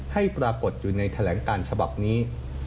ให้ปรากฏอยู่ในแถลงการฉบับนี้